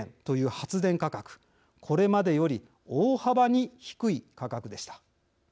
これまでより大幅に低い価格でした。